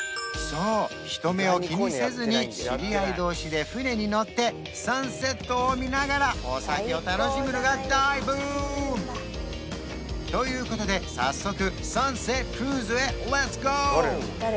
そう人目を気にせずに知り合い同士で船に乗ってサンセットを見ながらお酒を楽しむのが大ブーム！ということで早速サンセットクルーズへレッツゴー！